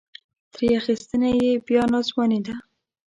ترې اخیستنه یې بیا ناځواني ده.